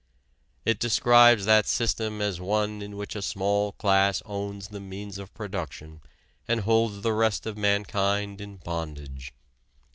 It describes that system as one in which a small class owns the means of production and holds the rest of mankind in bondage.